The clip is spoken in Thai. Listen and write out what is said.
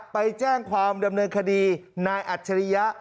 ไปแจ้งความดำเนินคดีนายอัจฉริยะ